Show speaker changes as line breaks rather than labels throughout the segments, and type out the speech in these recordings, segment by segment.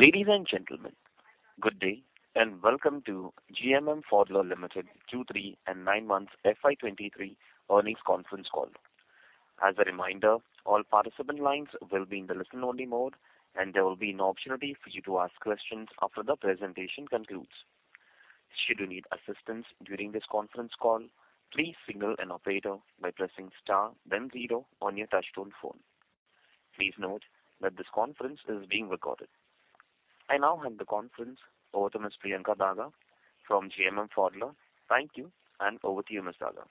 Ladies and gentlemen, good day. Welcome to GMM Pfaudler Limited Q3 and nine months FY 2023 earnings conference call. As a reminder, all participant lines will be in the listen only mode. There will be an opportunity for you to ask questions after the presentation concludes. Should you need assistance during this conference call, please signal an operator by pressing star then 0 on your touchtone phone. Please note that this conference is being recorded. I now hand the conference over to Ms. Priyanka Daga from GMM Pfaudler. Thank you. Over to you, Ms. Daga.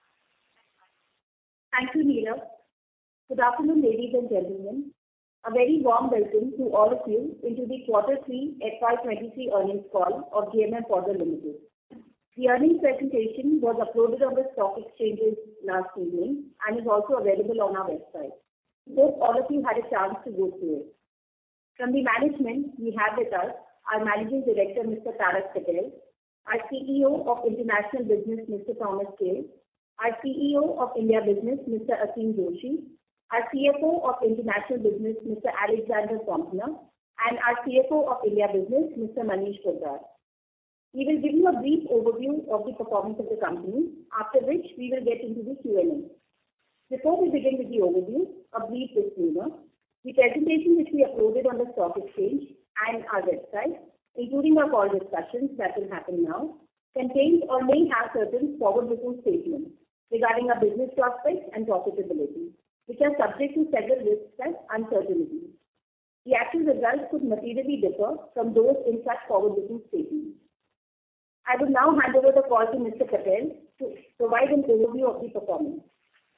Thank you, Niraj. Good afternoon, ladies and gentlemen. A very warm welcome to all of you into the quarter three FY23 earnings call of GMM Pfaudler Limited. The earnings presentation was uploaded on the stock exchanges last evening and is also available on our website. Hope all of you had a chance to go through it. From the management we have with us our Managing Director, Mr. Tarak Patel, our CEO of International Business, Mr. Thomas Kehl, our CEO of India Business, Mr. Aseem Joshi, our CFO of International Business, Mr. Alexander Pompner, and our CFO of India Business, Mr. Manish Poddar. We will give you a brief overview of the performance of the company, after which we will get into the Q&A. Before we begin with the overview, a brief disclaimer. The presentation which we uploaded on the stock exchange and our website, including our call discussions that will happen now, contains or may have certain forward-looking statements regarding our business prospects and profitability, which are subject to several risks and uncertainties. The actual results could materially differ from those in such forward-looking statements. I will now hand over the call to Mr. Patel to provide an overview of the performance.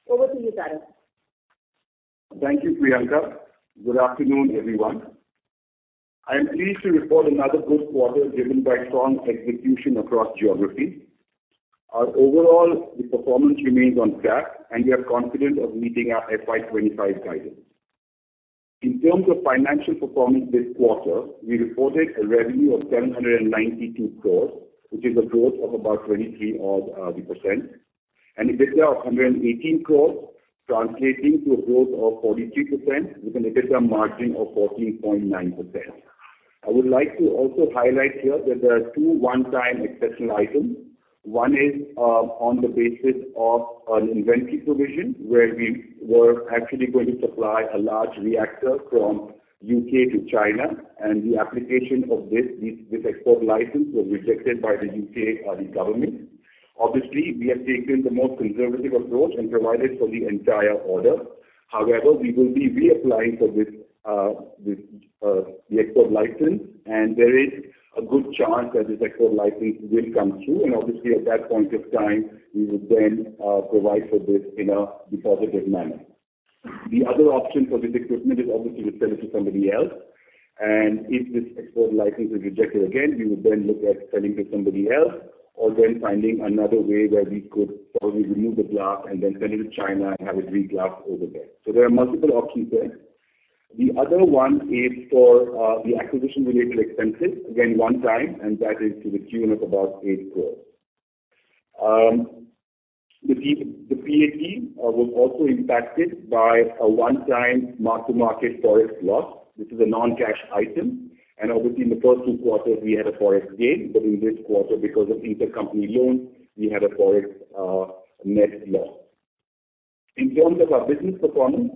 Over to you, Tarak.
Thank you, Priyanka. Good afternoon, everyone. I am pleased to report another good quarter driven by strong execution across geographies. Our overall performance remains on track, and we are confident of meeting our FY 2025 guidance. In terms of financial performance this quarter, we reported a revenue of 792 crores, which is a growth of about 23% odd. An EBITDA of 118 crores, translating to a growth of 43% with an EBITDA margin of 14.9%. I would like to also highlight here that there are two one-time exceptional items. One is on the basis of an inventory provision, where we were actually going to supply a large reactor from U.K. to China, and the application of this export license was rejected by the U.K. government. Obviously, we have taken the most conservative approach and provided for the entire order. However, we will be reapplying for this the export license, and there is a good chance that this export license will come through and obviously at that point of time, we would then provide for this in a positive manner. The other option for this equipment is obviously to sell it to somebody else. If this export license is rejected again, we would then look at selling to somebody else or then finding another way where we could probably remove the glass and then sell it to China and have it reglassed over there. There are multiple options there. The other one is for the acquisition related expenses, again one time, and that is to the tune of about 8 crore. The PAT was also impacted by a one-time mark-to-market forex loss. This is a non-cash item. Obviously in the first two quarters we had a forex gain, but in this quarter, because of intercompany loan, we had a forex net loss. In terms of our business performance,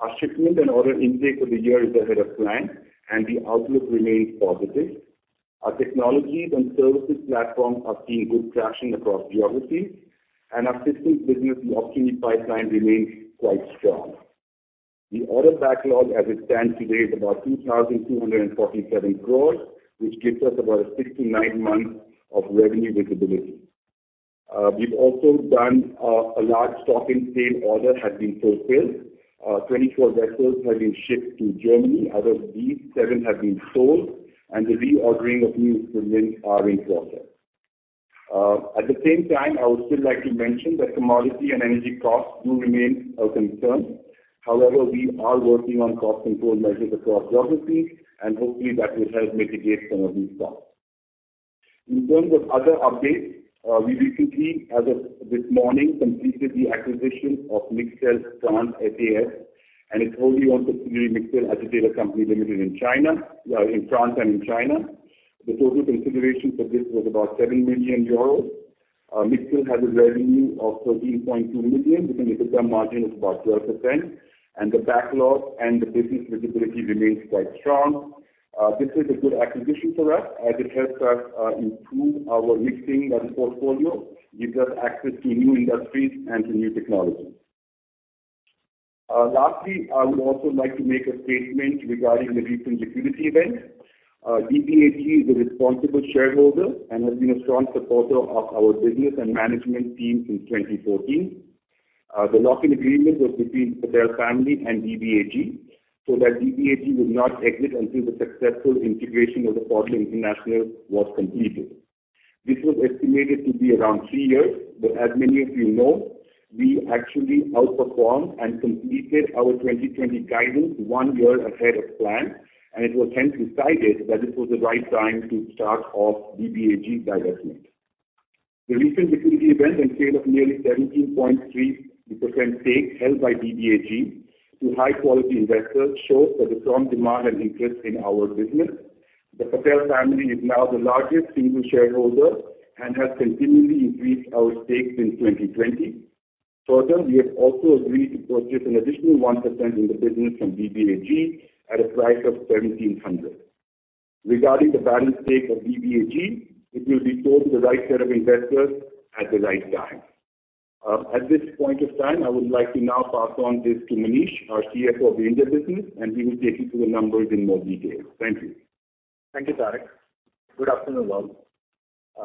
our shipment and order intake for the year is ahead of plan. The outlook remains positive. Our technologies and services platforms are seeing good traction across geographies. Our systems business, the opportunity pipeline remains quite strong. The order backlog as it stands today is about 2,247 crores, which gives us about a 6 to 9 months of revenue visibility. We've also done a large stock-in-sale order has been fulfilled. 24 vessels have been shipped to Germany. Out of these, seven have been sold and the reordering of these remains are in process. At the same time, I would still like to mention that commodity and energy costs do remain a concern. However, we are working on cost control measures across geographies, and hopefully that will help mitigate some of these costs. In terms of other updates, we recently, as of this morning, completed the acquisition of Mixel France SAS, and its wholly owned subsidiary, Mixel Agitator Co. Ltd. in China, in France and in China. The total consideration for this was about 7 million euros. Mixel has a revenue of 13.2 million with an EBITDA margin of about 12%. The backlog and the business visibility remains quite strong. This is a good acquisition for us as it helps us improve our mixing portfolio, gives us access to new industries and to new technologies. Lastly, I would also like to make a statement regarding the recent liquidity event. DBAG is a responsible shareholder and has been a strong supporter of our business and management team since 2014. The lock-in agreement was between Patel family and DBAG, so that DBAG would not exit until the successful integration of the Pfaudler International was completed. This was estimated to be around three years, as many of you know, we actually outperformed and completed our 2020 guidance one year ahead of plan. It was hence decided that it was the right time to start off DBAG divestment. The recent liquidity event and sale of nearly 17.3% stake held by DBAG to high quality investors shows the strong demand and interest in our business. The Patel family is now the largest single shareholder and has continually increased our stake since 2020. We have also agreed to purchase an additional 1% in the business from DBAG at a price of 1,700. Regarding the balance stake of DBAG, it will be sold to the right set of investors at the right time. At this point of time, I would like to now pass on this to Manish, our CFO of the India business, and he will take you through the numbers in more detail. Thank you.
Thank you, Tarak. Good afternoon, all.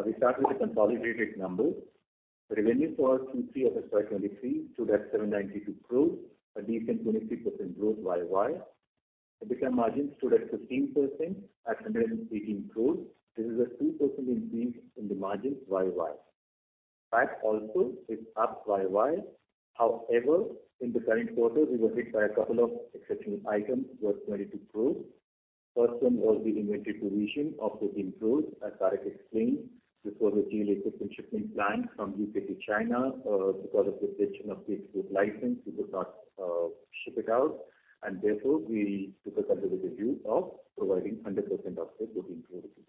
We start with the consolidated numbers. Revenue for Q3 of FY 2023 stood at 792 crores, a decent 26% growth Y-o-Y. EBITDA margin stood at 15% at 118 crores. This is a 2% increase in the margin Y-o-Y. PAT also is up Y-o-Y. In the current quarter, we were hit by a couple of exceptional items worth INR 22 crores. First one was the inventory provision of INR 13 crores, as Tarak explained. This was a delay in shipment plan from U.K. to China, because of the suspension of the export license, we could not ship it out. Therefore, we took a conservative view of providing 100% of the booking provision.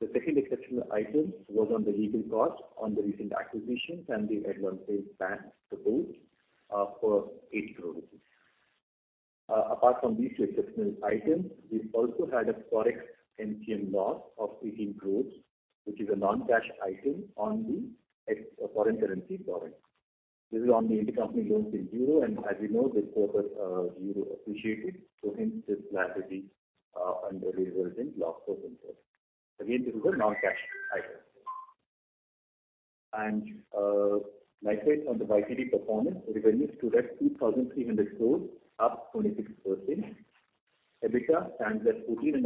The second exceptional item was on the legal cost on the recent acquisitions, we had one paid back the full for 8 crore rupees. Apart from these two exceptional items, we also had a forex MTM loss of 18 crore, which is a non-cash item on the foreign currency borrowing. This is on the intercompany loans in Euro, as you know, this quarter, Euro appreciated, hence this liability under the resulting loss for interest. Again, this is a non-cash item. Likewise, on the YTD performance, revenue stood at 2,300 crore, up 26%. EBITDA stands at 14.5%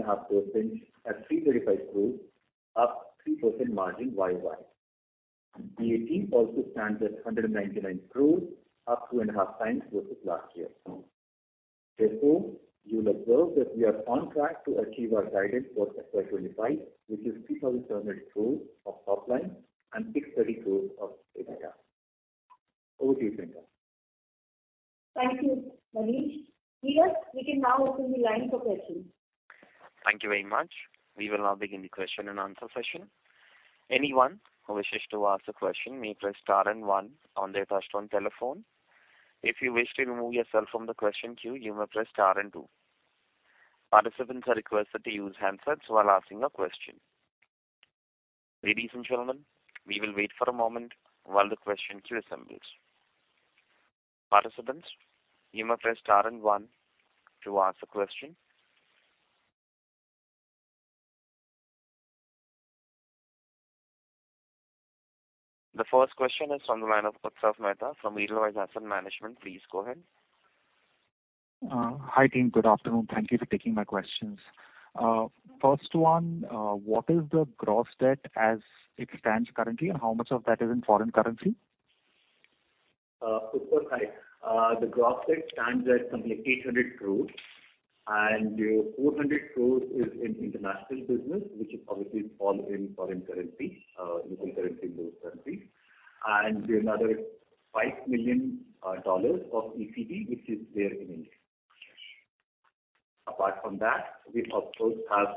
at 335 crore, up 3% margin Y-o-Y. PAT also stands at 199 crores, up two and a half times versus last year. Therefore, you will observe that we are on track to achieve our guidance for FY25, which is 3,700 crores of top line and 630 crores of EBITDA. Over to you, Priyanka.
Thank you, Manish. Clear, we can now open the line for questions.
Thank you very much. We will now begin the question and answer session. Anyone who wishes to ask a question may press star and one on their touchtone telephone. If you wish to remove yourself from the question queue, you may press star and two. Participants are requested to use handsets while asking a question. Ladies and gentlemen, we will wait for a moment while the question queue assembles. Participants, you may press star and 1 to ask a question. The first question is from the line of Utsav Mehta from Edelweiss Asset Management. Please go ahead.
Hi, team. Good afternoon. Thank you for taking my questions. First one, what is the gross debt as it stands currently, and how much of that is in foreign currency?
Utsav, hi. The gross debt stands at something like 800 crores, and 400 crores is in international business, which is obviously all in foreign currency, local currency and those currencies. Another $5 million of ECB, which is there in India. Apart from that, we of course have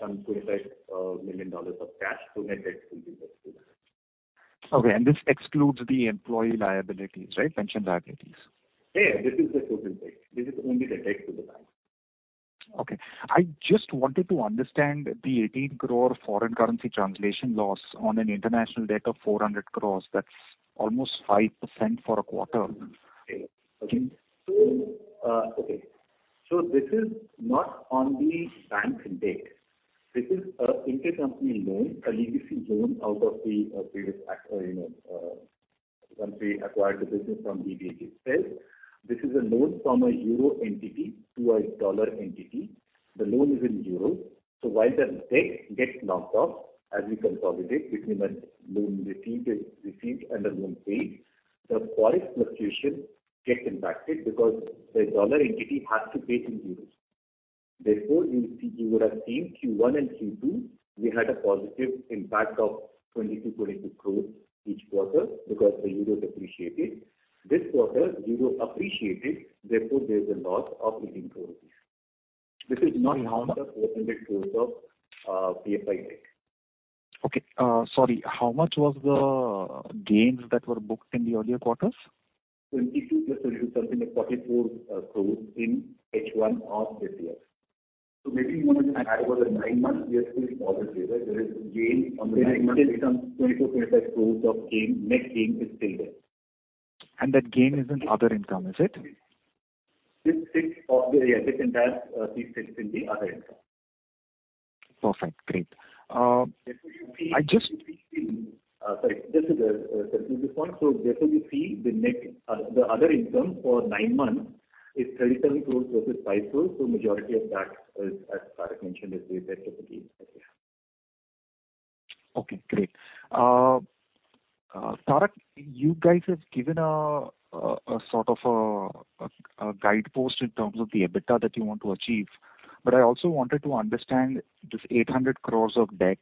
some $25 million of cash, so net debt will be less than that.
Okay. This excludes the employee liabilities, right? Pension liabilities.
Yeah. This is the total debt. This is only the debt to the bank.
Okay. I just wanted to understand the 18 crore foreign currency translation loss on an international debt of 400 crores. That's almost 5% for a quarter.
Okay. Okay. This is not on the bank's debt. This is an intercompany loan, a legacy loan out of the previous, you know, once we acquired the business from DBAG itself. This is a loan from a Euro entity to a dollar entity. The loan is in Euro. While the debt gets knocked off, as we consolidate between a loan received and a loan paid, the forex fluctuation gets impacted because the dollar entity has to pay things in Euros. You would have seen Q1 and Q2, we had a positive impact of 22.2 crore each quarter because the Euro depreciated. This quarter, Euro appreciated, there is a loss of INR 18 crore. This is not.
How much
on the INR 400 crores of Pfaudler debt.
Okay. Sorry. How much was the gains that were booked in the earlier quarters?
22 plus 22, something like 44 crores in H1 of this year. Maybe you want to add over the nine months, we are still positive. There is gain. Still some INR 24-25 crores of gain, net gain is still there.
That gain is in other income, is it?
Yeah. This entire sits in the other income.
Perfect. Great.
Sorry. Just to clarify this one. Therefore, you see the other income for nine months is 37 crores versus 5 crores. Majority of that is, as Tarak mentioned, is the effect of the gain that we have.
Okay, great. Tarak, you guys have given a sort of a guidepost in terms of the EBITDA that you want to achieve. I also wanted to understand this 800 crores of debt,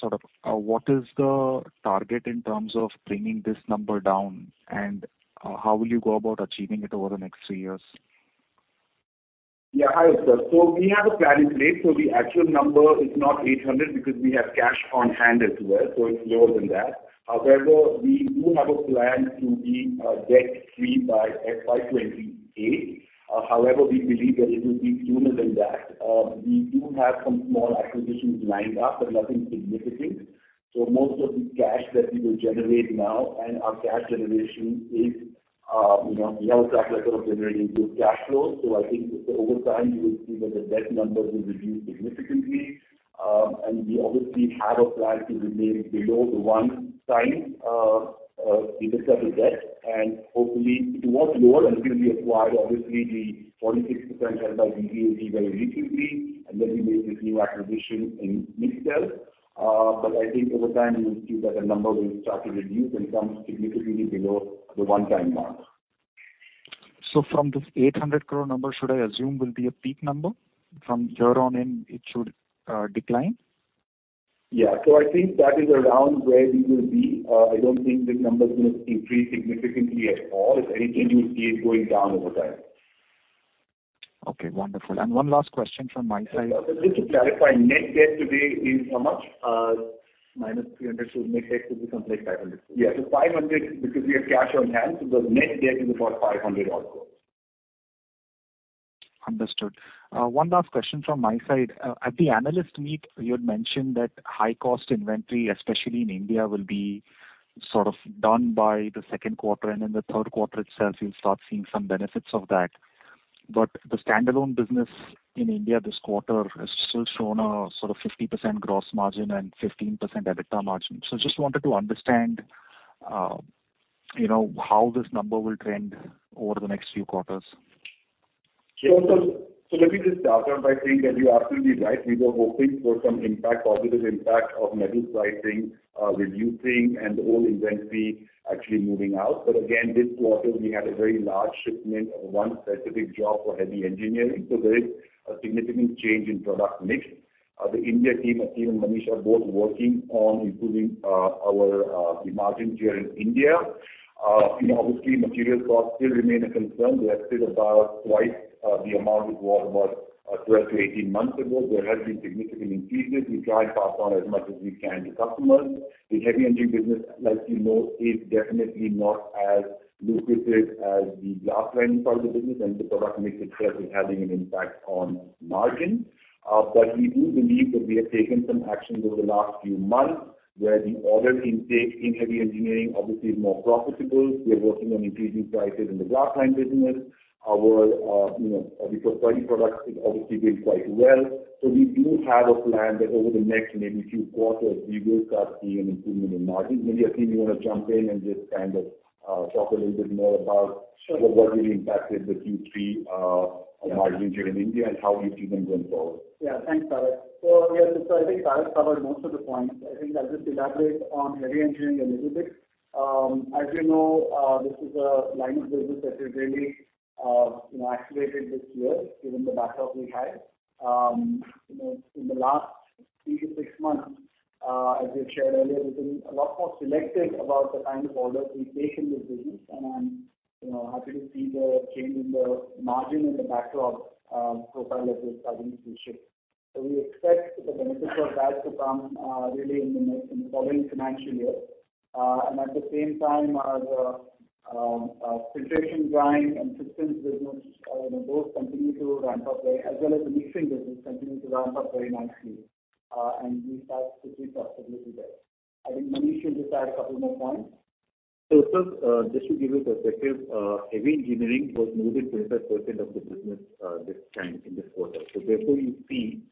sort of, what is the target in terms of bringing this number down, and how will you go about achieving it over the next three years?
Hi, sir. We have a plan in place. The actual number is not 800 because we have cash on hand as well, so it's lower than that. We do have a plan to be debt free by FY 2028. We believe that it will be sooner than that. We do have some small acquisitions lined up, but nothing significant. Most of the cash that we will generate now, and our cash generation is, you know, the L-sat letter of generating good cash flows. I think over time you will see that the debt number will reduce significantly. We obviously have a plan to remain below the 1x EBITDA debt, and hopefully it was lower and it will be acquired. Obviously, the 46% held by DBAG very recently, and then we made this new acquisition in Mixel. I think over time you will see that the number will start to reduce and come significantly below the 1 time mark.
From this 800 crore number, should I assume will be a peak number? From here on in, it should decline.
Yeah. I think that is around where we will be. I don't think this number is gonna increase significantly at all. If anything, you'll see it going down over time.
Okay, wonderful. One last question from my side.
Just to clarify, net debt today is how much? minus 300. Net debt will be something like 500. 500 because we have cash on hand. The net debt is about 500 also.
Understood. One last question from my side. At the analyst meet, you had mentioned that high cost inventory, especially in India, will be sort of done by the second quarter, and in the third quarter itself you'll start seeing some benefits of that. The standalone business in India this quarter has still shown a sort of 50% gross margin and 15% EBITDA margin. Just wanted to understand, you know, how this number will trend over the next few quarters.
Sure. Let me just start off by saying that you're absolutely right. We were hoping for some impact, positive impact of metal pricing reducing and the old inventory actually moving out. Again, this quarter we had a very large shipment of one specific job for heavy engineering. There is a significant change in product mix. The India team, Aseem and Manish are both working on improving our the margins here in India. You know, obviously material costs still remain a concern. They are still about twice the amount it was about 12 to 18 months ago. There has been significant increases. We try and pass on as much as we can to customers. The heavy engineering business, as you know, is definitely not as lucrative as the Glass-Lined side of the business, and the product mix itself is having an impact on margin. We do believe that we have taken some actions over the last few months where the order intake in heavy engineering obviously is more profitable. We are working on increasing prices in the Glass-Lined business. Our, you know, the proprietary products obviously did quite well. We do have a plan that over the next maybe few quarters we will start seeing improvement in margin. Maybe, Aseem, you wanna jump in and just kind of talk a little bit more about.
Sure.
What really impacted the Q3 margins here in India and how we see them going forward?
Yeah. Thanks, Tarak. Yeah, so I think Tarak covered most of the points. I think I'll just elaborate on heavy engineering a little bit. As you know, this is a line of business that has really, you know, activated this year given the backlog we had. You know, in the last three to six months, as we've shared earlier, we've been a lot more selective about the kind of orders we take in this business. I'm, you know, happy to see the change in the margin and the backlog, profile of this business, I think we should. We expect the benefits of that to come, really in the next, in the current financial year. At the same time, our Filtration & Drying Systems business, you know, both continue to ramp up very, as well as the mixing business continue to ramp up very nicely. We start to see profitability there. I think Manish will just add a couple more points.
Sir, just to give you perspective, heavy engineering was more than 25% of the business this time in this quarter. Therefore you see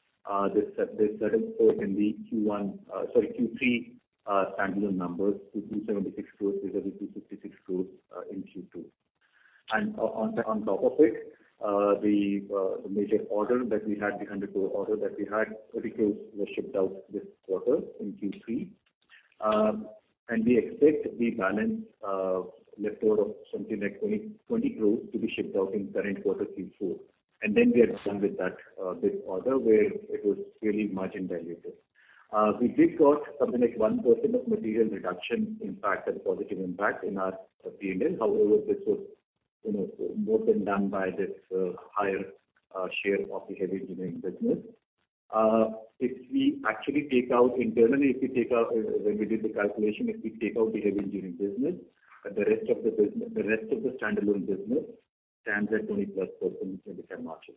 this sudden slope in the Q1, sorry, Q3, standalone numbers to 276 crores compared 266 crores in Q2. On top of it, the major order that we had, the 100 crore order that we had, 30 crores were shipped out this quarter in Q3. We expect the balance left order of something like 20 crores to be shipped out in current quarter Q4. Then we are done with that this order where it was really margin dilutive. We did got something like 1% of material reduction impact as a positive impact in our P&L. However, this was, you know, more than done by this higher share of the heavy engineering business. If we actually take out internally, if we take out when we did the calculation, if we take out the heavy engineering business, the rest of the business, the rest of the standalone business stands at 20-plus % EBITDA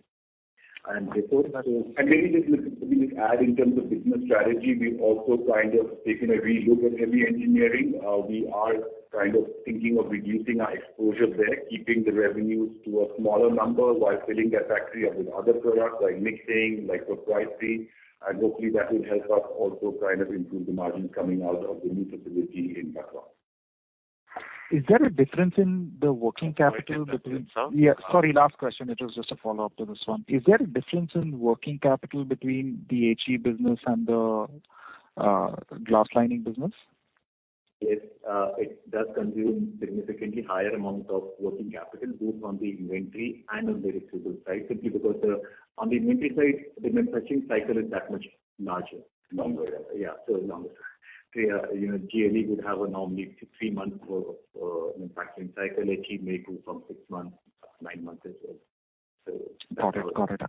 margins. Therefore. Maybe just to add in terms of business strategy, we've also kind of taken a relook at heavy engineering. We are kind of thinking of reducing our exposure there, keeping the revenues to a smaller number while filling that factory up with other products like mixing, like proprietary. Hopefully that will help us also kind of improve the margins coming out of the new facility in Bangalore.
Yeah. Sorry, last question. It was just a follow-up to this one. Is there a difference in working capital between the HE business and the glass lining business?
Yes. It does consume significantly higher amounts of working capital, both on the inventory and on the receivables side, simply because, on the inventory side, the manufacturing cycle is that much larger.
Longer.
Yeah, longer. You know, GLE would have a normally 3-month manufacturing cycle. HE may do from 6 months up to 9 months as well.
Got it. Got it.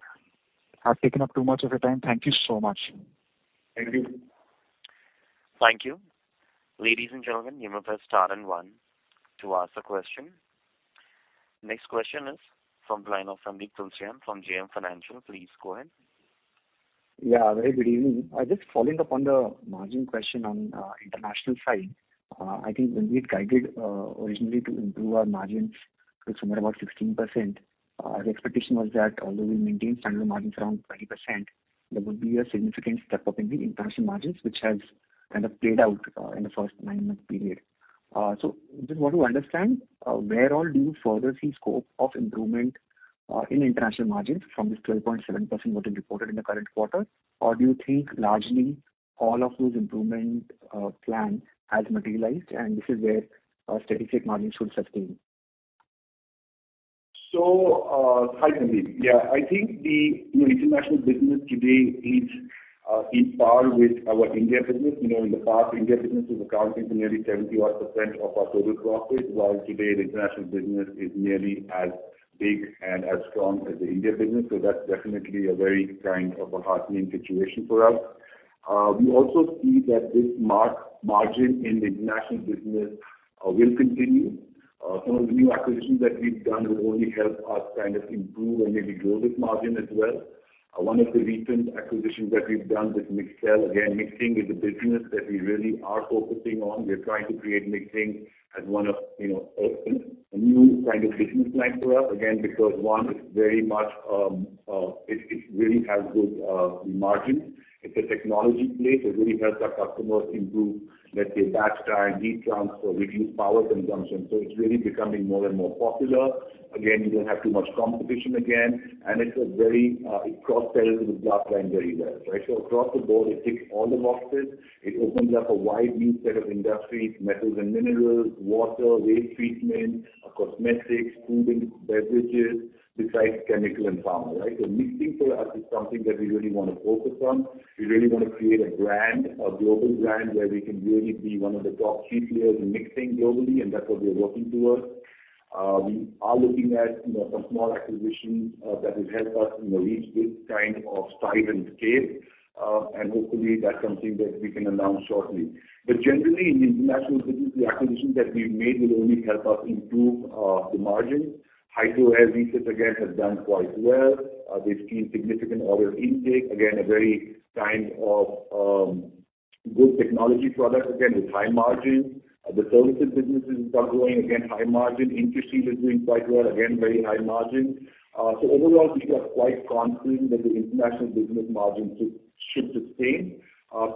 I've taken up too much of your time. Thank you so much.
Thank you.
Thank you. Ladies and gentlemen, you may press star one to ask a question. Next question is from line of Sandeep Tulsiyan from JM Financial. Please go ahead.
Very good evening. I'm just following up on the margin question on international side. I think when we had guided originally to improve our margins to somewhere about 16%, the expectation was that although we maintain standard margins around 20%, there would be a significant step up in the international margins, which has kind of played out in the first nine month period. Just want to understand where all do you further see scope of improvement in international margins from this 12.7% what you reported in the current quarter? Or do you think largely all of those improvement plan has materialized and this is where steady-state margins should sustain?
Hi, Sandeep. I think the, you know, international business today is par with our India business. You know, in the past, India business was accounting to nearly 70 odd percent of our total profits, while today the international business is nearly as big and as strong as the India business. That's definitely a very kind of a heartening situation for us. We also see that this margin in the international business will continue. Some of the new acquisitions that we've done will only help us kind of improve and maybe grow this margin as well. One of the recent acquisitions that we've done with Mixel, again, mixing is a business that we really are focusing on. We're trying to create mixing as one of, you know, a new kind of business line for us. Because one, it's very much, it really has good margins. It's a technology play, it really helps our customers improve, let's say, batch time, heat transfer, reduce power consumption. It's really becoming more and more popular. We don't have too much competition again, it's a very, it cross sells with glass lining very well, right? Across the board it ticks all the boxes. It opens up a wide new set of industries, metals and minerals, water, waste treatment, cosmetics, food and beverages, besides chemical and pharma, right? Mixing for us is something that we really wanna focus on. We really wanna create a brand, a global brand, where we can really be one of the top three players in mixing globally, that's what we are working towards. We are looking at, you know, some small acquisitions that will help us, you know, reach this kind of size and scale. Hopefully that's something that we can announce shortly. Generally, in the international business, the acquisitions that we've made will only help us improve the margins. Hydro Air we said again, has done quite well. They've seen significant order intake. Again, a very kind of good technology product. Again, with high margins. The services business has started growing. Again, high margin. Interseal is doing quite well. Again, very high margin. Overall, we feel quite confident that the international business margins should sustain.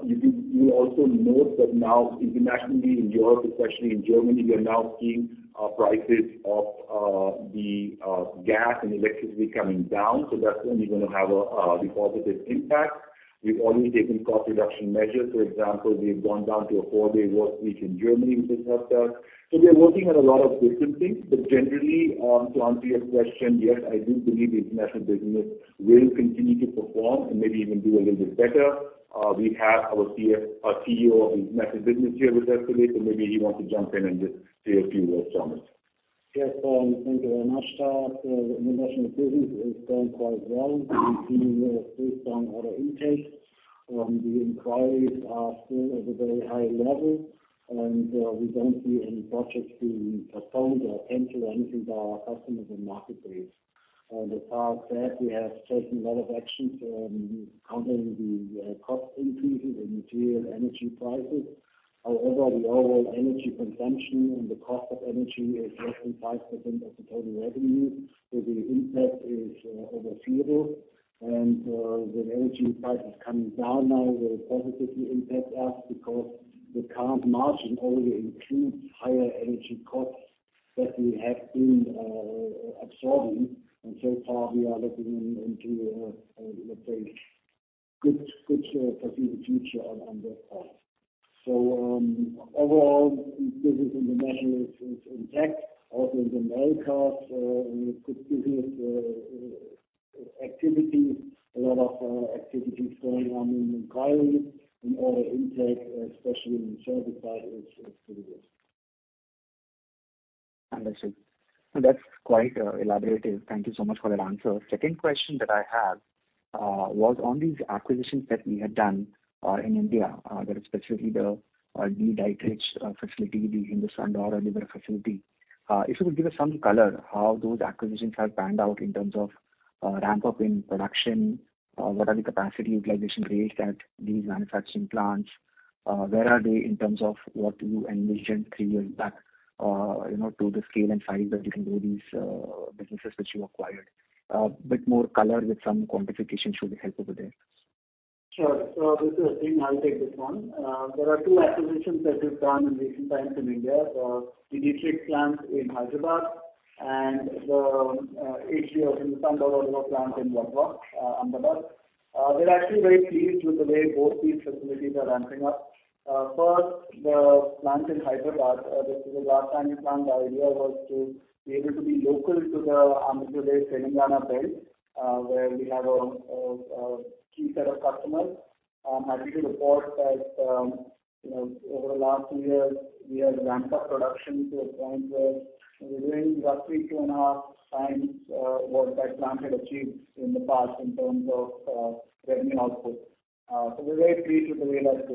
You'll also note that now internationally in Europe, especially in Germany, we are now seeing prices of the gas and electricity coming down. That's only gonna have the positive impact. We've already taken cost reduction measures. For example, we've gone down to a four-day workweek in Germany, which has helped us. We are working on a lot of different things. Generally, to answer your question, yes, I do believe the International Business will continue to perform and maybe even do a little bit better. We have our CEO of International Business here with us today, so maybe he wants to jump in and just say a few words on this.
Yes. Thank you very much, Niraj. The international business is going quite well. We're seeing good, strong order intake. The inquiries are still at a very high level, and we don't see any projects being postponed or canceled anything by our customers and market base. The fact that we have taken a lot of actions, countering the cost increases in material energy prices. However, the overall energy consumption and the cost of energy is less than 5% of the total revenue. So the impact is unforeseeable. With energy prices coming down now, will positively impact us because the current margin already includes higher energy costs that we have been absorbing. So far we are looking into a, let's say good, foreseeable future on that front. Overall business internationally is intact. Also in the Americas, we have good business activities. A lot of activities going on in inquiries and order intake, especially in service side is pretty good.
Understood. That's quite elaborative. Thank you so much for that answer. Second question that I have was on these acquisitions that we had done in India. That is specifically the De Dietrich facility, the Hindustan or the Libero facility. If you could give us some color how those acquisitions have panned out in terms of ramp-up in production. What are the capacity utilization rates at these manufacturing plants? Where are they in terms of what you envisioned three years back? You know, to the scale and size that you can grow these businesses which you acquired. A bit more color with some quantification should help over there.
Sure. This is I'll take this one. There are two acquisitions that we've done in recent times in India. The De Dietrich plant in Hyderabad and the ACO HINDUSTAN plant in Vatwa, Ahmedabad. We're actually very pleased with the way both these facilities are ramping up. First, the plant in Hyderabad, this is a large timing plant. The idea was to be able to be local to the Ankleshwar and Telangana belt, where we have a key set of customers. I'm happy to report that, you know, over the last two years, we have ramped up production to a point where we're doing roughly 2.5 times what that plant had achieved in the past in terms of revenue output. We're very pleased with the way that's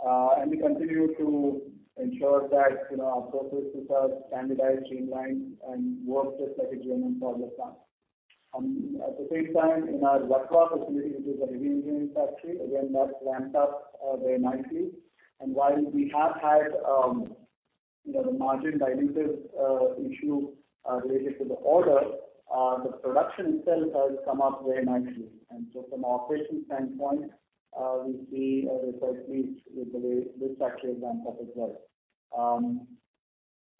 developed. We continue to ensure that, you know, our processes are standardized, streamlined, and work just like a GMM product plant. At the same time, in our Vatwa facility, which is a heavy engineering factory, again, that's ramped up very nicely. While we have had, you know, the margin dilutive issue related to the order, the production itself has come up very nicely. From an operations standpoint, we see results with the way this factory has ramped up as well.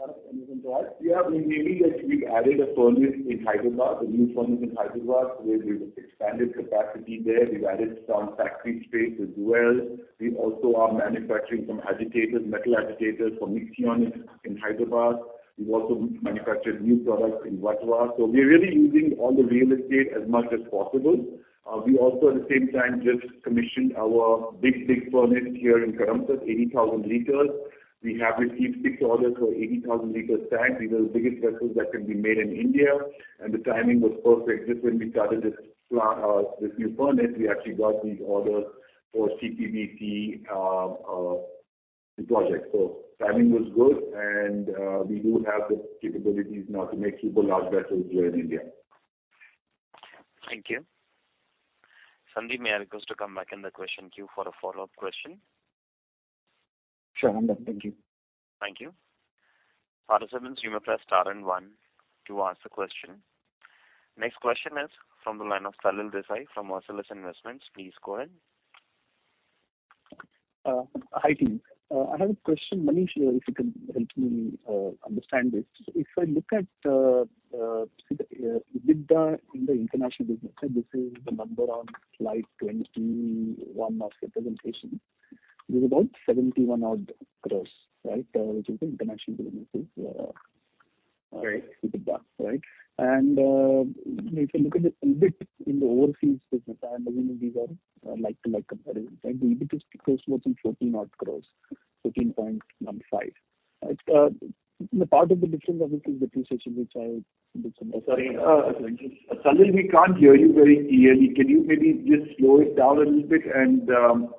Tarak, anything to add?
I mean, maybe just we've added a furnace in Hyderabad, a new furnace in Hyderabad, where we've expanded capacity there. We've added some factory space as well. We also are manufacturing some agitators, metal agitators for Mixion in Hyderabad. We've also manufactured new products in Vatwa. We're really using all the real estate as much as possible. We also at the same time just commissioned our big, big furnace here in Karamsad, 80,000 liters. We have received 6 orders for 80,000 liters tanks. These are the biggest vessels that can be made in India. The timing was perfect. Just when we started this new furnace, we actually got these orders for CPBT project. Timing was good, and we do have the capabilities now to make super large vessels here in India.
Thank you. Sandeep, may I request to come back in the question queue for a follow-up question?
Sure. Thank you.
Thank you. Participants, you may press star and one to ask the question. Next question is from the line of Salil Desai from Marcellus Investment Managers. Please go ahead.
Hi, team. I have a question. Manish, if you can help me understand this. If I look at EBITDA in the International Business, this is the number on slide 21 of your presentation. It is about 71 odd crores, right, which is the International Businesses.
Right.
EBITDA, right? If you look at the EBIT in the overseas business, I'm assuming these are like-to-like comparisons, right? The EBIT is close to 14 odd crores, 14.15. The part of the difference, I think, is depreciation, which I
Sorry, Salil, we can't hear you very clearly. Can you maybe just slow it down a little bit and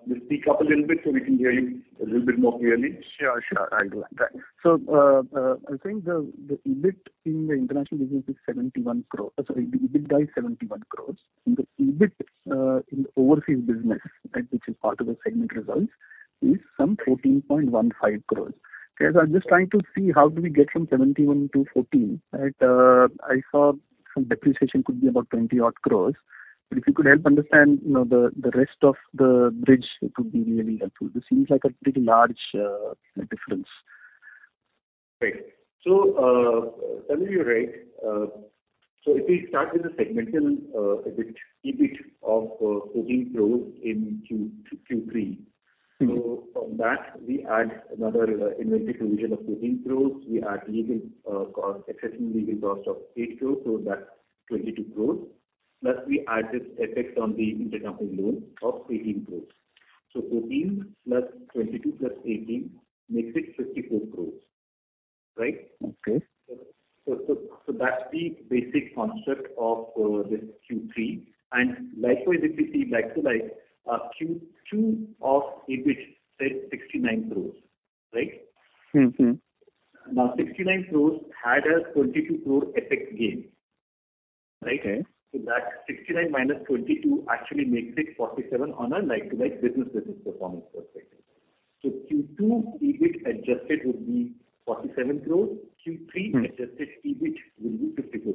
just speak up a little bit so we can hear you a little bit more clearly?
Sure, sure. I'll do that. I think the EBIT in the international business is 71 crores. Sorry, the EBITDA is 71 crores. The EBIT in the overseas business, right, which is part of the segment results, is some 14.15 crores. I'm just trying to see how do we get from 71 to 14, right? I saw some depreciation could be about 20 odd crores. If you could help understand, you know, the rest of the bridge, it would be really helpful. This seems like a pretty large difference.
Right. Salil, you're right. If we start with the segmental EBIT of INR 14 crores in Q3.
Mm-hmm.
From that, we add another inventory provision of 14 crores. We add legal cost, excessive legal cost of 8 crores, so that's 22 crores. We add this effect on the intra-company loan of 18 crores. 14 plus 22 plus 18 makes it 54 crores, right?
Okay.
That's the basic construct of this Q3. Likewise, if we see back to like Q2, EBIT said 69 crores, right?
Mm-hmm.
Now 69 crores had a 22 crore effect gain, right?
Okay.
That 69 minus 22 actually makes it 47 on a like-to-like business basis performance perspective. Q2 EBIT adjusted would be 47 crores.
Mm-hmm.
Q3 adjusted EBIT will be 54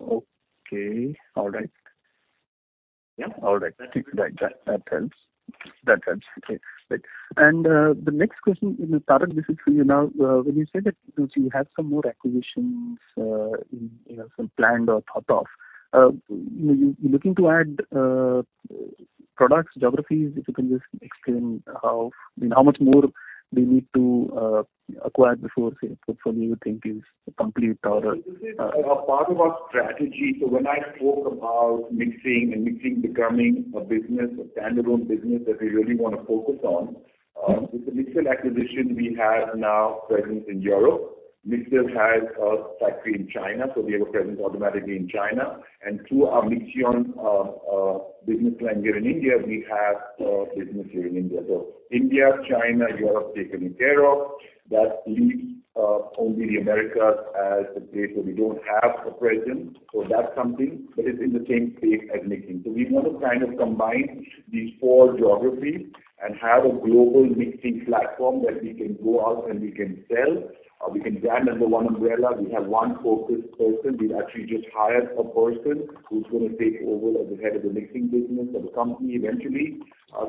crores.
Okay. All right.
Yeah.
All right. That helps. That helps. Okay, great. The next question, Tarak, this is for you now. When you said that you have some more acquisitions, you know, some planned or thought of, you looking to add, products, geographies? If you can just explain how, I mean, how much more- We need to acquire before, say, what do you think is the complete order?
This is part of our strategy. When I spoke about mixing and mixing becoming a business, a standalone business that we really wanna focus on. With the Mixel acquisition, we have now presence in Europe. Mixel has a factory in China, so we have a presence automatically in China. Through our Mixion business line here in India, we have a business here in India. India, China, Europe taken care of. That leaves only the Americas as the place where we don't have a presence. That's something, but it's in the same space as mixing. We wanna kind of combine these four geographies and have a global mixing platform that we can go out and we can sell, or we can brand under one umbrella. We have one focused person. We've actually just hired a person who's gonna take over as the head of the mixing business of the company eventually.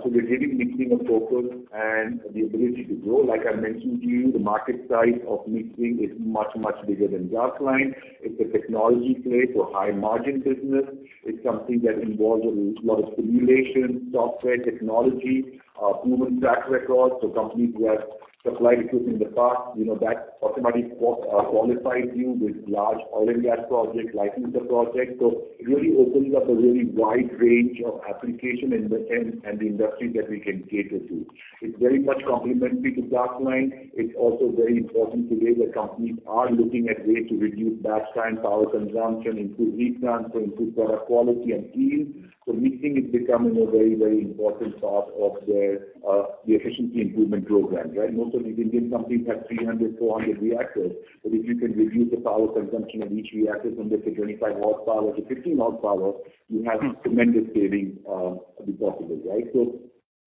We're giving mixing a focus and the ability to grow. Like I mentioned to you, the market size of mixing is much, much bigger than Glass-Lined. It's a technology play, high margin business. It's something that involves a lot of simulation, software technology, proven track record. Companies who have supplied equipment in the past, you know, that automatically qualifies you with large oil and gas projects, licensor projects. It really opens up a really wide range of application and the industries that we can cater to. It's very much complementary to Glass-Lined. It's also very important today that companies are looking at ways to reduce batch time, power consumption, improve heat transfer, improve product quality and yield. Mixing is becoming a very, very important part of their, the efficiency improvement program, right? Most of the Indian companies have 300, 400 reactors. If you can reduce the power consumption of each reactor from let's say 25 horsepower to 15 horsepower, you have tremendous saving be possible, right?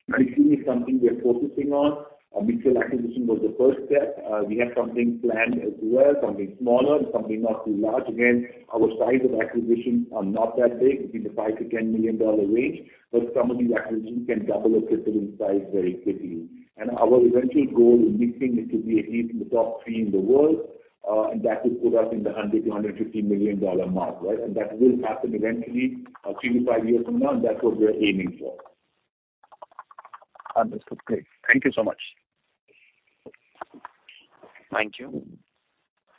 Mixing is something we are focusing on. Mixel acquisition was the first step. We have something planned as well, something smaller and something not too large. Again, our size of acquisitions are not that big, between the $5 million-$10 million range, but some of these acquisitions can double or triple in size very quickly. Our eventual goal in mixing is to be at least in the top three in the world, and that would put us in the $100 million-$150 million mark, right? That will happen eventually, three to five years from now, and that's what we're aiming for.
Understood. Great. Thank you so much.
Thank you.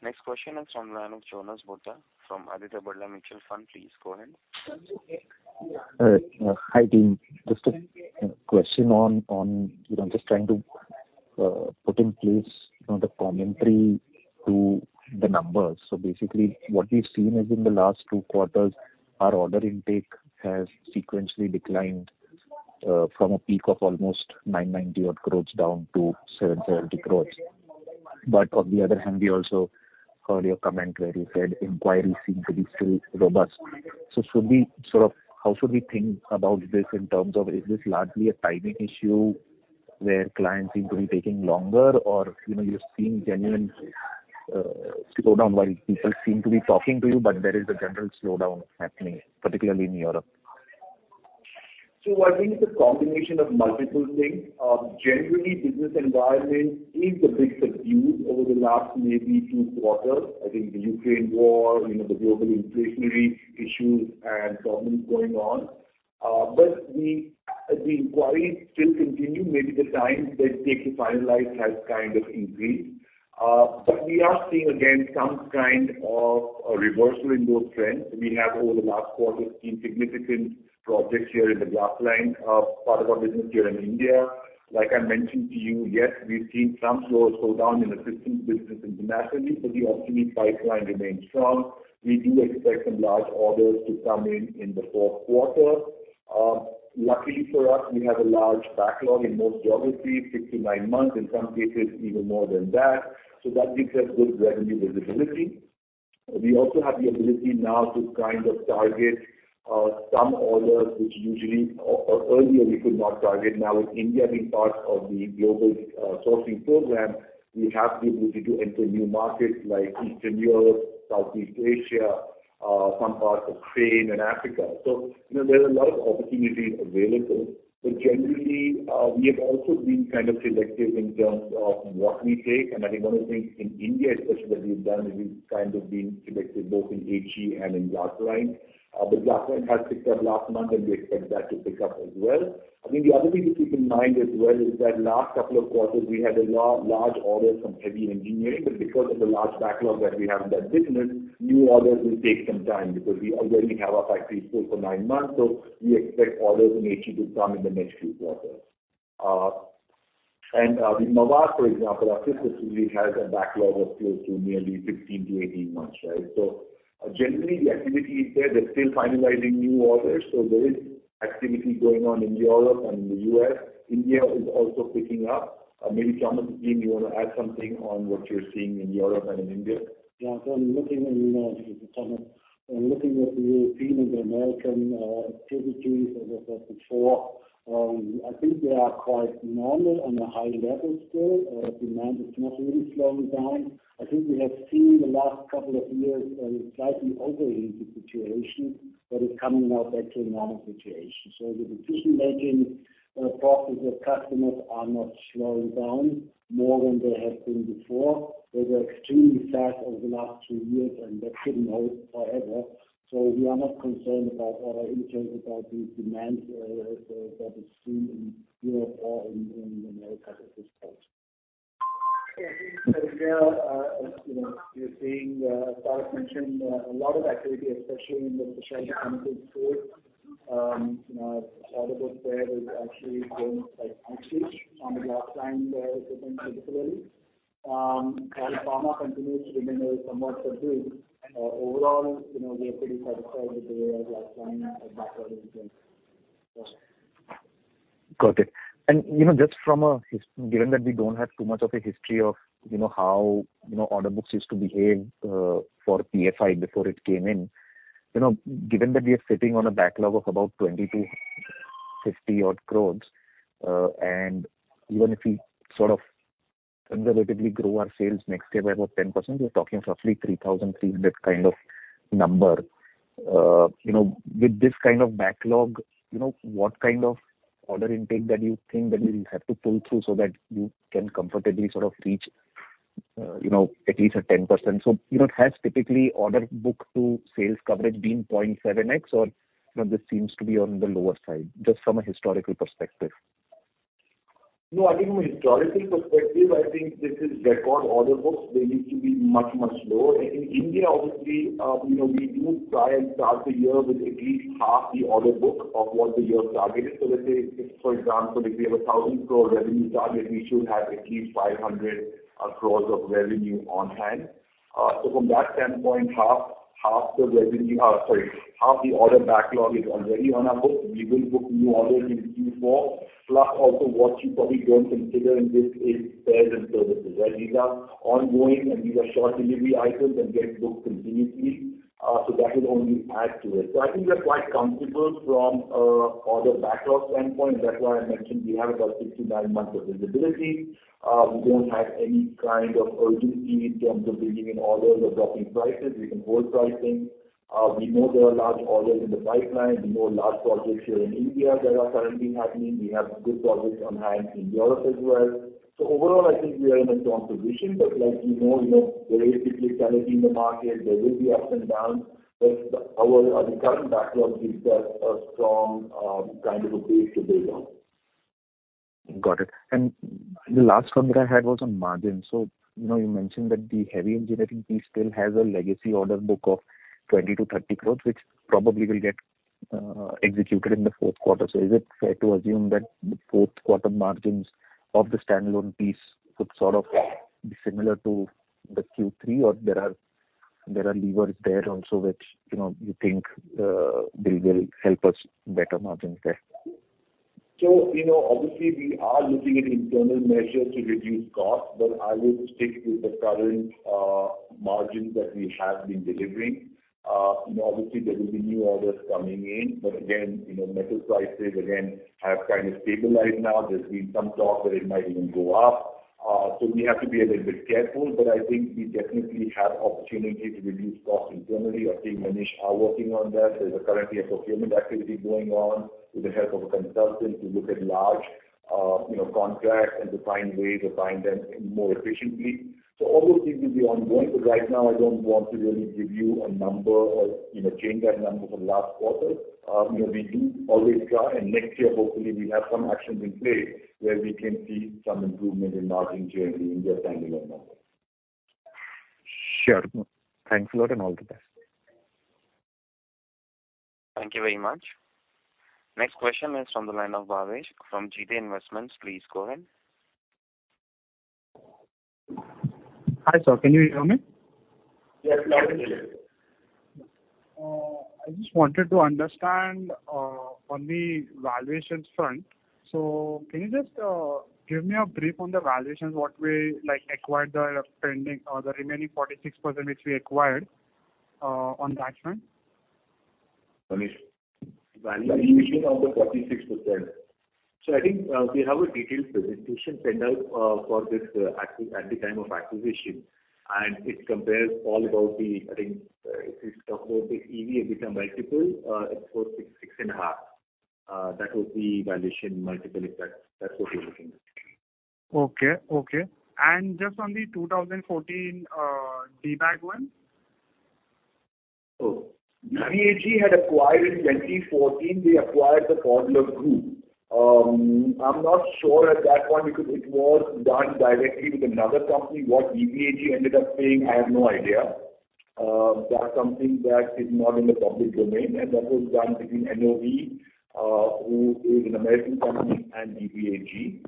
Next question is from the line of Jonas Bhutta from Aditya Birla Sun Life Mutual Fund. Please go ahead.
Hi, hi, team. Just a question on, you know, just trying to put in place, you know, the commentary to the numbers. Basically what we've seen is in the last two quarters, our order intake has sequentially declined from a peak of almost 990 odd crores down to 770 crores. On the other hand, we also heard your comment where you said inquiries seem to be still robust. How should we think about this in terms of is this largely a timing issue where clients seem to be taking longer or, you know, you're seeing genuine slowdown, while people seem to be talking to you, but there is a general slowdown happening, particularly in Europe?
I think it's a combination of multiple things. Generally business environment is a bit subdued over the last maybe two quarters. I think the Ukraine war, you know, the global inflationary issues and problems going on. The inquiries still continue. Maybe the time that it takes to finalize has kind of increased. We are seeing again some kind of a reversal in those trends. We have over the last quarter seen significant projects here in the Glass-Lined, part of our business here in India. Like I mentioned to you, yes, we've seen some slowdown in the systems business internationally, but the opportunity pipeline remains strong. We do expect some large orders to come in in the 4th quarter. Luckily for us, we have a large backlog in most geographies, six-nine months, in some cases even more than that. That gives us good revenue visibility. We also have the ability now to kind of target some orders which usually or earlier we could not target. Now with India being part of the global sourcing program, we have the ability to enter new markets like Eastern Europe, Southeast Asia, some parts of Spain and Africa. You know, there's a lot of opportunities available. Generally, we have also been kind of selective in terms of what we take. I think one of the things in India especially that we've done is we've kind of been selective both in HE and in Glass-Lined. Glass-Lined has picked up last month, and we expect that to pick up as well. I think the other thing to keep in mind as well is that last couple of quarters, we had large orders from heavy engineering, but because of the large backlog that we have in that business, new orders will take some time because we already have our factories full for nine months. We expect orders in HE to come in the next few quarters. With Mavale for example, our fifth facility has a backlog of close to nearly 15-18 months, right? Generally the activity is there. They're still finalizing new orders, so there is activity going on in Europe and in the U.S. India is also picking up. maybe Thomas, again, you wanna add something on what you're seeing in Europe and in India?
I'm looking at, you know, I think it's Thomas. I'm looking at the European and the American activities as I said before. I think they are quite normal on a high level still. Demand is not really slowing down. I think we have seen the last couple of years a slightly overheated situation, but it's coming now back to a normal situation. The decision-making process of customers are not slowing down more than they have been before. They were extremely fast over the last 2 years, and that couldn't hold forever. We are not concerned about order intake or about the demand that is seen in Europe or in America at this point. Yeah. you know, we are seeing, as Tarak mentioned, a lot of activity, especially in the specialty chemicals space. you know, order book there is actually growing quite nicely on the Glass-Lined equipment particularly. While pharma continues to remain somewhat subdued. Overall, you know, we are pretty satisfied with the way our Glass-Lined backlog is doing. Yes.
Got it. Just from a given that we don't have too much of a history of, you know, how, you know, order books used to behave for Pfaudler before it came in. Given that we are sitting on a backlog of about 20-50 odd crores, and even if we sort of conservatively grow our sales next year by about 10%, we're talking roughly 3,300 kind of number. You know, with this kind of backlog, you know, what kind of order intake that you think that you'll have to pull through so that you can comfortably sort of reach, you know, at least a 10%? you know, has typically order book to sales coverage been 0.7x or, you know, this seems to be on the lower side, just from a historical perspective.
No, I think from a historical perspective, I think this is record order books. They need to be much, much lower. In India, obviously, you know, we do try and start the year with at least half the order book of what the year's target is. Let's say if, for example, if we have a 1,000 crore revenue target, we should have at least 500 crores of revenue on hand. From that standpoint, half the revenue, sorry, half the order backlog is already on our books. We will book new orders in Q4. Also what you probably don't consider in this is spares and services, right? These are ongoing and these are short delivery items and get booked continuously. That will only add to it. I think we are quite comfortable from order backlog standpoint. That's why I mentioned we have about six to nine months visibility. We don't have any kind of urgency in terms of bringing in orders or dropping prices. We can hold pricing. We know there are large orders in the pipeline. We know large projects here in India that are currently happening. We have good projects on hand in Europe as well. Overall, I think we are in a strong position. Like you know, there is typically volatility in the market. There will be ups and downs, but our current backlog gives us a strong kind of a base to build on.
Got it. The last one that I had was on margins. You know, you mentioned that the heavy engineering piece still has a legacy order book of 20-30 crores, which probably will get executed in the fourth quarter. Is it fair to assume that the fourth quarter margins of the standalone piece could sort of be similar to the Q3, or there are levers there also which, you know, you think, they will help us better margins there?
You know, obviously we are looking at internal measures to reduce costs, but I will stick with the current margins that we have been delivering. You know, obviously there will be new orders coming in, but again, you know, metal prices again have kind of stabilized now. There's been some talk that it might even go up. We have to be a little bit careful, but I think we definitely have opportunity to reduce costs internally. I think Manish are working on that. There's currently a procurement activity going on with the help of a consultant to look at large, you know, contracts and to find ways of buying them more efficiently. All those things will be ongoing. Right now I don't want to really give you a number or, you know, change that number from last quarter. You know, we do always try. Next year hopefully we have some actions in place where we can see some improvement in margin generally in their standalone numbers.
Sure. Thanks a lot and all the best.
Thank you very much. Next question is from the line of Bhavesh from JD Investments. Please go ahead.
Hi sir, can you hear me?
Yes, loud and clear.
I just wanted to understand on the valuations front. Can you just give me a brief on the valuations, what we like acquired the pending or the remaining 46% which we acquired on that front?
Manish. Valuation
Valuation of the 46%.
I think, we have a detailed presentation sent out for this at the time of acquisition, and it compares all about the, I think, if we talk about the EV, EBITDA multiple, it's 4x, 6x, 6.5x. That was the valuation multiple, if that's what you're looking to see.
Okay. Okay. Just on the 2014, DBAG one.
DBAG had acquired, in 2014 they acquired the Pfaudler Group. I'm not sure at that point because it was done directly with another company. What DBAG ended up paying, I have no idea. That's something that is not in the public domain. That was done between NOV, who is an American company, and DBAG.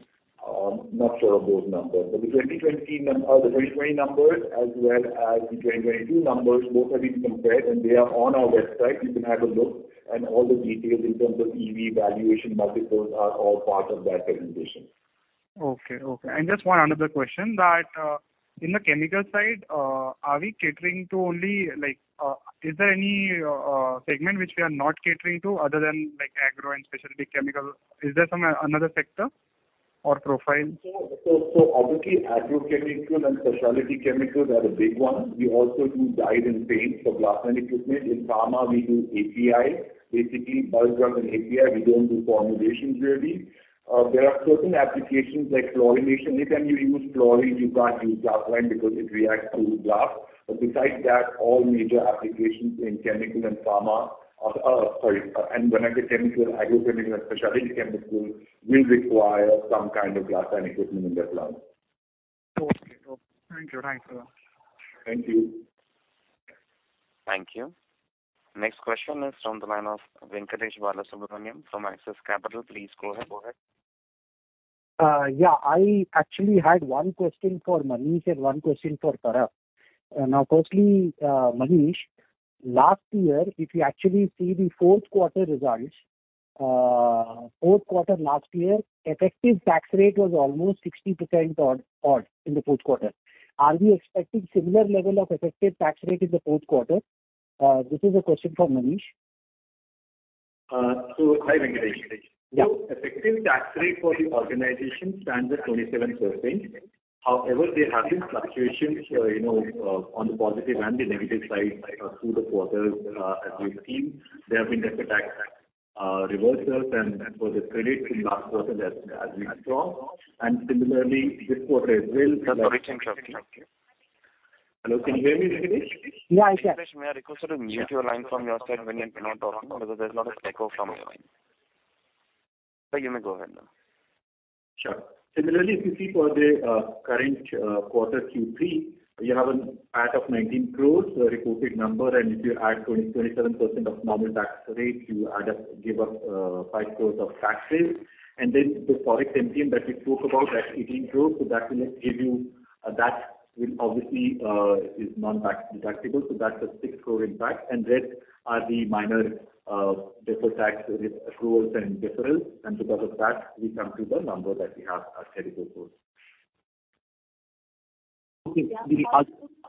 Not sure of those numbers. The 2020 numbers as well as the 2022 numbers, both have been compared and they are on our website. You can have a look and all the details in terms of EV valuation multiples are all part of that presentation.
Okay. Okay. Just one another question that, in the chemical side, are we catering to only like, is there any segment which we are not catering to other than like agro and specialty chemicals? Is there some another sector or profile?
Obviously agrochemicals and specialty chemicals are the big ones. We also do dyes and paints for Glass-Lined equipment. In pharma we do API, basically bulk drug and API. We don't do formulations really. There are certain applications like chlorination. Anytime you use chlorine, you can't use Glass-Lined because it reacts to glass. Besides that, all major applications in chemical and pharma, sorry, and when I say chemical, agrochemical and specialty chemicals will require some kind of Glass-Lined equipment in their plants.
Okay. Okay. Thank you. Thanks a lot.
Thank you.
Thank you. Next question is from the line of Venkatesh Balasubramaniam from Axis Capital. Please go ahead.
Yeah. I actually had one question for Manish and one question for Tarak. Firstly, Manish, last year, if you actually see the fourth quarter results, fourth quarter last year, effective tax rate was almost 60% odd in the fourth quarter. Are we expecting similar level of effective tax rate in the fourth quarter? This is a question for Manish.
Hi, Venkatesh.
Yeah.
Effective tax rate for the organization stands at 27%. However, there have been fluctuations, you know, on the positive and the negative side, through the quarters, as we've seen. There have been deferred tax reversals and also credits in last quarter as we saw. Similarly, this quarter as well. Hello, can you hear me, Venkatesh?
Yeah, I can.
Venkatesh, may I request you to mute your line from your side when you're not talking because there's a lot of echo from your line. Sir, you may go ahead now.
Sure. Similarly, if you see for the current quarter Q3, you have an PAT of 19 crores, the reported number. If you add 27% of normal tax rate, you add up, give up 5 crores of taxes. Then the Forex MTM that we spoke about, that's 18 crores. That will obviously is non-tax deductible, so that's a 6 crore impact. Rest are the minor deferred tax accruals and deferrals. Because of that, we come to the number that we have as scheduled for.
Okay. The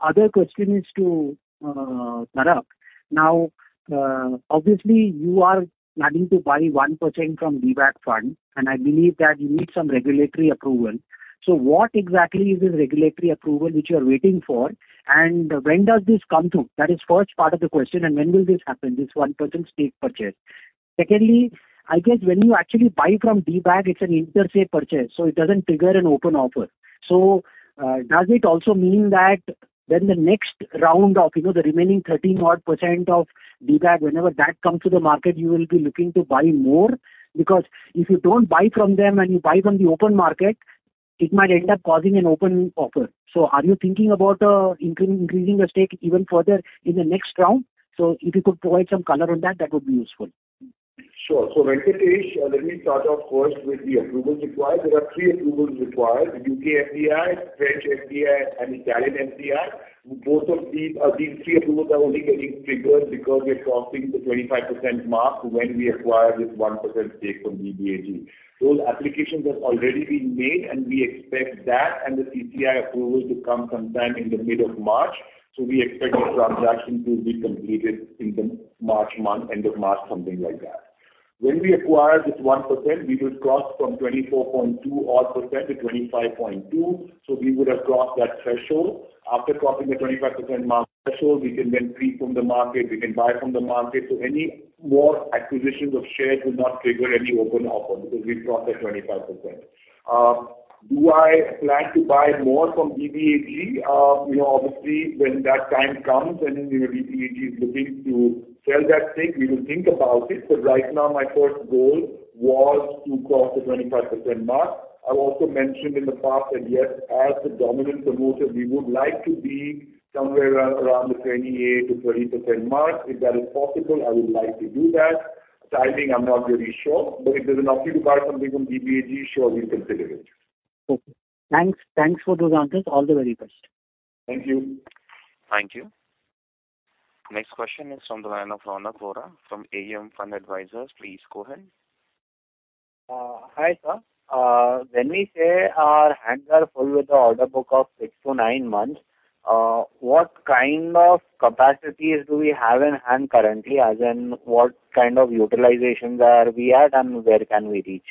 other question is to Tarak. Obviously you are planning to buy 1% from DBAG Fund, and I believe that you need some regulatory approval. What exactly is this regulatory approval which you're waiting for, and when does this come through? That is first part of the question. When will this happen, this 1% stake purchase? Secondly, I guess when you actually buy from DBAG, it's an interstate purchase, it doesn't trigger an open offer. Does it also mean that then the next round of, you know, the remaining 13% odd of DBAG, whenever that comes to the market, you will be looking to buy more? If you don't buy from them and you buy from the open market, it might end up causing an open offer. Are you thinking about increasing the stake even further in the next round? If you could provide some color on that would be useful.
Sure. Venkatesh, let me start off first with the approvals required. There are 3 approvals required: U.K. FDI, French FDI, and Italian FDI. These three approvals are only getting triggered because we are crossing the 25% mark when we acquire this 1% stake from DBAG. Those applications have already been made, and we expect that and the CCI approval to come sometime in the mid of March. We expect the transaction to be completed in the March month, end of March, something like that. When we acquire this 1%, we will cross from 24.2% odd to 25.2%. We would have crossed that threshold. After crossing the 25% mark threshold, we can then free from the market, we can buy from the market. Any more acquisitions of shares will not trigger any open offer because we've crossed that 25%. Do I plan to buy more from DBAG? You know, obviously, when that time comes and, you know, DBAG is looking to sell that stake, we will think about it. Right now my first goal was to cross the 25% mark. I've also mentioned in the past that, yes, as the dominant promoter, we would like to be somewhere around the 28%-20% mark. If that is possible, I would like to do that. Timing, I'm not really sure. If there's an opportunity to buy something from DBAG, sure, we'll consider it.
Okay. Thanks. Thanks for those answers. All the very best.
Thank you.
Thank you. Next question is from the line of Ronak Vora from AUM Fund Advisors. Please go ahead.
Hi, sir. When we say our hands are full with the order book of six to nine months, what kind of capacities do we have in hand currently? As in what kind of utilizations are we at and where can we reach?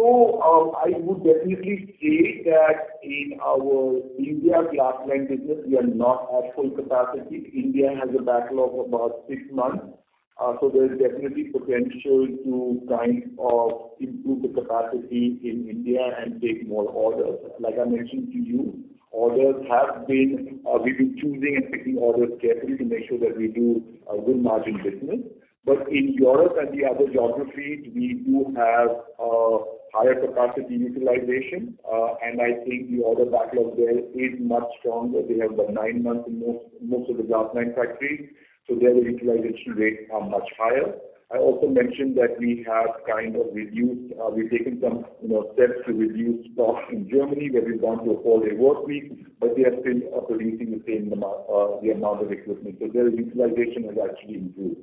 I would definitely say that in our India Glass-Lined business we are not at full capacity. India has a backlog of about 6 months. There is definitely potential to kind of improve the capacity in India and take more orders. Like I mentioned to you, we've been choosing and picking orders carefully to make sure that we do a good margin business. In Europe and the other geographies, we do have higher capacity utilization. I think the order backlog there is much stronger. They have about 9 months in most of the glass-lined factories, so their utilization rates are much higher. I also mentioned that we have kind of reduced, we've taken some, you know, steps to reduce stock in Germany, where we've gone to a four-day workweek, but we are still producing the same amount, the amount of equipment. Their utilization has actually improved.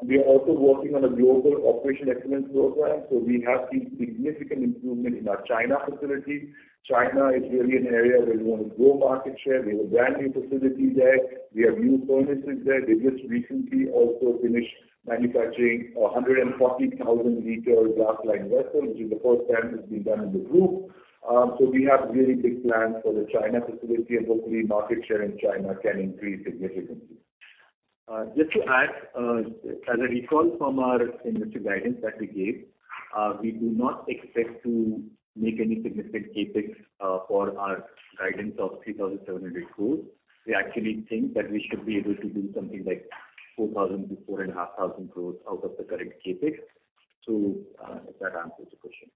We are also working on a global operation excellence program. We have seen significant improvement in our China facility. China is really an area where we want to grow market share. We have a brand new facility there. We have new furnaces there. We've just recently also finished manufacturing a 140,000 liter glass-lined vessel, which is the first time it's been done in the group. We have really big plans for the China facility and hopefully market share in China can increase significantly. Just to add, as a recall from our investor guidance that we gave, we do not expect to make any significant CapEx for our guidance of 3,700 crores. We actually think that we should be able to do something like 4,000-4,500 crores out of the current CapEx. If that answers your question.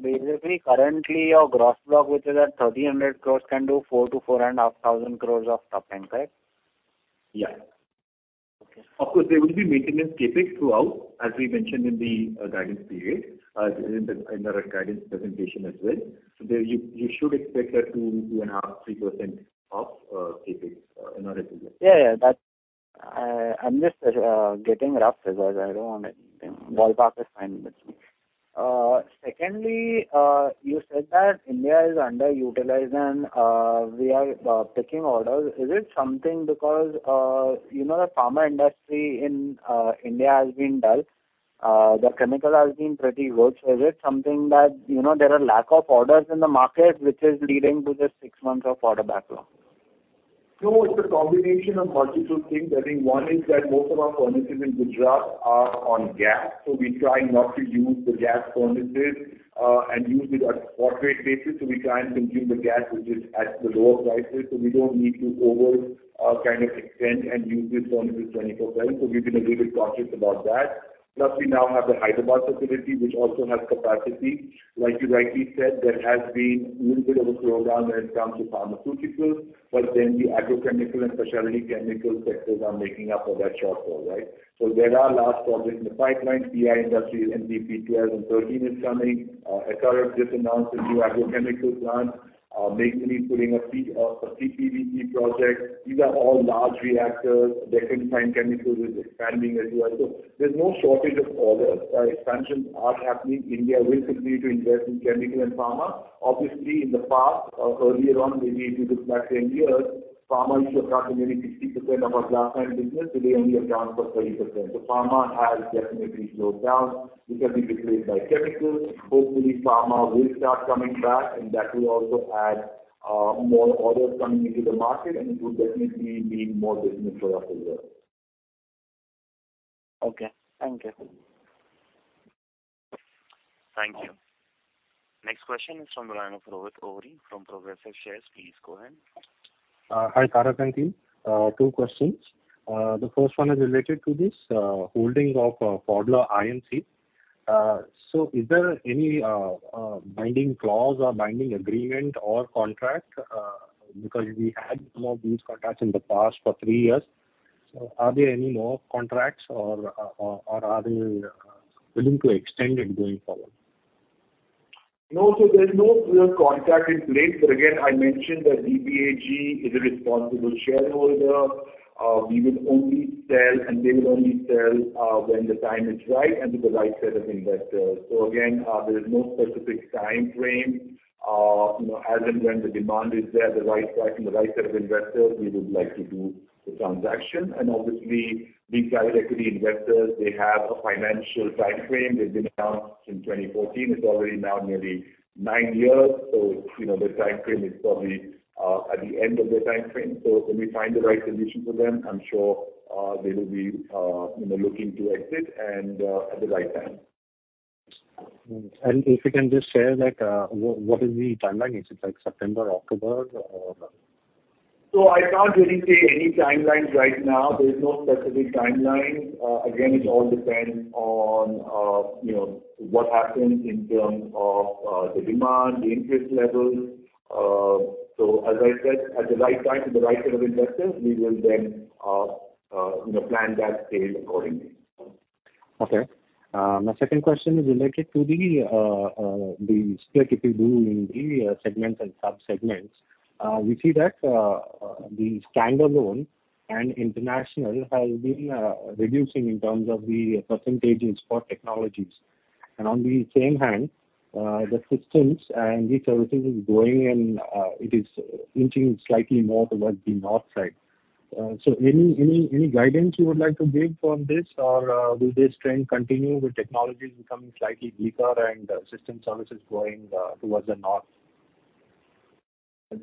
Basically, currently your gross block, which is at 3,000 crores can do 4,000 crores-4,500 crores of top end, right?
Yeah.
Okay.
Of course, there will be maintenance CapEx throughout, as we mentioned in the guidance period, in our guidance presentation as well. There you should expect that 2.5%-3% of CapEx in order to do that.
Yeah, yeah. That's... I'm just getting rough figures. I don't want anything. Ballpark is fine with me. Secondly, you said that India is underutilized and we are picking orders. Is it something because, you know, the pharma industry in India has been dull. The chemical has been pretty worse. Is it something that, you know, there are lack of orders in the market which is leading to this six months of order backlog?
It's a combination of multiple things. I think one is that most of our furnaces in Gujarat are on gas, we try not to use the gas furnaces and use it at spot rate basis. We try and consume the gas which is at the lower prices, we don't need to over kind of extend and use these furnaces 24/7. We've been a little cautious about that. We now have the Hyderabad facility which also has capacity. You rightly said, there has been little bit of a slowdown when it comes to pharmaceuticals. The agrochemical and specialty chemical sectors are making up for that shortfall, right? There are large projects in the pipeline. PI Industries, MVP 12 and 13 is coming. Ekkar just announced a new agrochemical plant. Maksun is putting a PP, a PPVP project. These are all large reactors. Deccan Fine Chemicals is expanding as well. There's no shortage of orders. Expansions are happening. India will continue to invest in chemical and pharma. In the past or earlier on, maybe if you look back 10 years, pharma used to account for nearly 60% of our last time business. Today only account for 20%. Pharma has definitely slowed down, which has been replaced by chemicals. Hopefully, pharma will start coming back, and that will also add more orders coming into the market, and it will definitely mean more business for us as well.
Okay. Thank you.
Thank you. Next question is from the line of Rohit Ohri from Progressive Shares. Please go ahead.
Hi, Tarak and team. Two questions. The first one is related to this holding of Pfaudler IMC. Is there any binding clause or binding agreement or contract? We had some of these contracts in the past for three years. Are there any more contracts or are they willing to extend it going forward?
No. there's no clear contract in place. Again, I mentioned that DBAG is a responsible shareholder. We will only sell and they will only sell when the time is right and to the right set of investors. Again, there is no specific time frame. You know, as and when the demand is there, the right price and the right set of investors, we would like to do the transaction. Obviously these private equity investors, they have a financial time frame. They've been around since 2014. It's already now nearly nine years. You know, the time frame is probably at the end of their time frame. When we find the right solution for them, I'm sure they will be, you know, looking to exit and at the right time.
If you can just share like, what is the timeline? Is it like September, October or...?
I can't really say any timelines right now. There is no specific timeline. Again, it all depends on, you know, what happens in terms of the demand, the interest levels. As I said, at the right time to the right set of investors, we will then, you know, plan that sale accordingly.
Okay. My second question is related to the split if you do in the segments and sub-segments. We see that the standalone and International has been reducing in terms of the percentages for technologies. On the same hand, the systems and each everything is growing and it is inching slightly more towards the north side. Any guidance you would like to give on this? Or will this trend continue with technologies becoming slightly weaker and system services growing towards the north?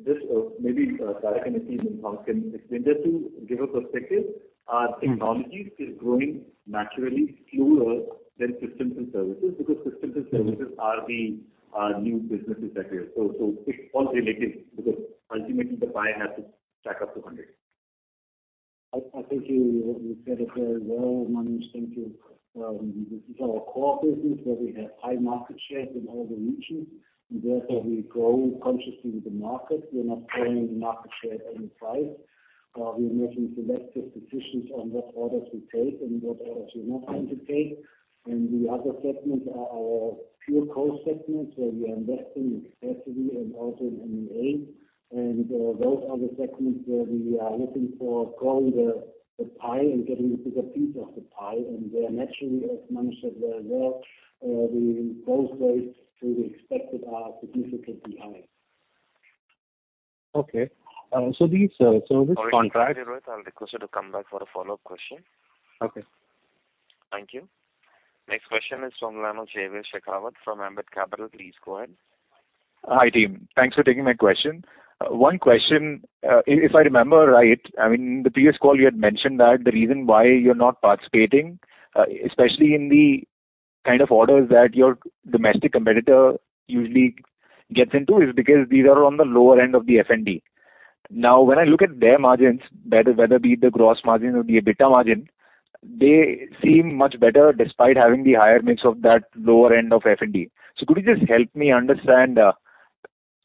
This, maybe, Tarak and Ateek and Pankaj can explain. Just to give a perspective, our technologies is growing naturally slower than systems and services, because systems and services are the new businesses that we have. It's all relative because ultimately the pie has to stack up to 100.
I think you said it very well, Manish. Thank you. This is our core business where we have high market share in all the regions and therefore we grow consciously with the market. We're not growing the market share at any price. We are making selective decisions on what orders we take and what orders we're not going to take. The other segments are our pure core segments, where we are investing extensively and also in MEA. Those are the segments where we are looking for growing the pie and getting a bigger piece of the pie. Where naturally, as Manish said very well, the growth rates to be expected are significantly high.
Okay. These service contracts.
Rohit, can I interrupt? I'll request you to come back for a follow-up question.
Okay.
Thank you. Next question is from the line of Jaiveer Shekhawat from Ambit Capital. Please go ahead.
Hi, team. Thanks for taking my question. One question. If I remember right, I mean, the previous call you had mentioned that the reason why you're not participating, especially in the kind of orders that your domestic competitor usually gets into, is because these are on the lower end of the F&D. When I look at their margins, whether be the gross margin or the EBITDA margin. They seem much better despite having the higher mix of that lower end of F&D. Could you just help me understand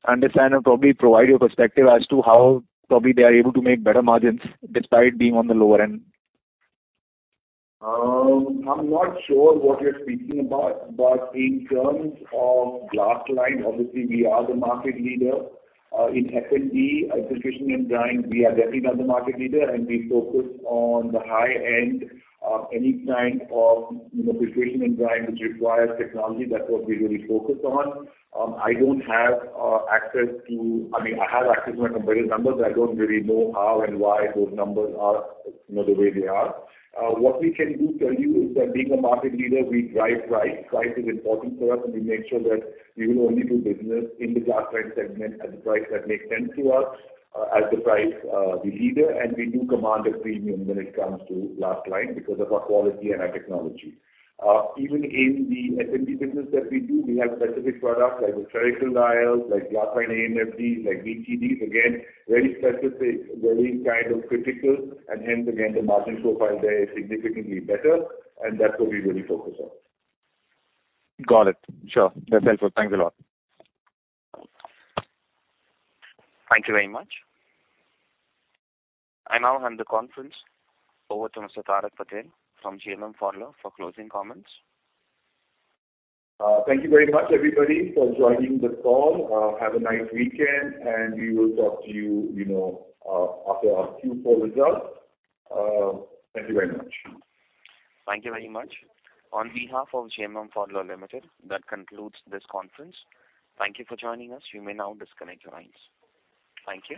and probably provide your perspective as to how probably they are able to make better margins despite being on the lower end?
I'm not sure what you're speaking about, but in terms of Glass-Lined, obviously we are the market leader. In F&D, Filtration and Drying, we are definitely not the market leader, and we focus on the high end of any kind of, you know, Filtration and Drying which requires technology. That's what we really focus on. I don't have access to. I mean, I have access to my competitors' numbers. I don't really know how and why those numbers are, you know, the way they are. What we can do tell you is that being a market leader, we drive price. Price is important for us, and we make sure that we will only do business in the Glass-Lined segment at the price that makes sense to us as the price, the leader. We do command a premium when it comes to Glass-Lined because of our quality and our technology. Even in the F&D business that we do, we have specific products like the Spherical Dryer, like Glass-Lined ANFDs, like BTDs. Again, very specific, very kind of critical, hence again the margin profile there is significantly better, and that's what we really focus on.
Got it. Sure. That's helpful. Thanks a lot.
Thank you very much. I now hand the conference over to Mr. Tarak Patel from GMM Pfaudler for closing comments.
Thank you very much everybody for joining this call. Have a nice weekend, and we will talk to you know, after our Q4 results. Thank you very much.
Thank you very much. On behalf of GMM Pfaudler Limited, that concludes this conference. Thank you for joining us. You may now disconnect your lines. Thank you.